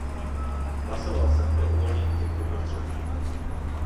Hlasoval jsem pro uvolnění těchto prostředků.